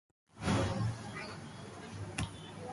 The competitor of "Fredriksstad Blad" is "Demokraten".